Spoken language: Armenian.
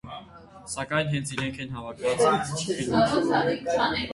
Սակայն հենց իրանք են հավաքված ֆիլմում։